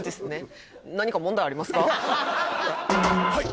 はい